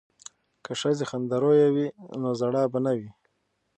که ښځې خندرویه وي نو ژړا به نه وي.